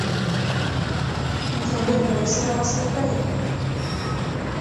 انټرنیټ نړۍ سره وصل کړې ده.